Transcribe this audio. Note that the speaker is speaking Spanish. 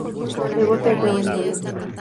El bote acaba en llamas.